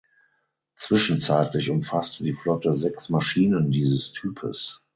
Zwischenzeitlich umfasste die Flotte sechs Maschinen dieses Types.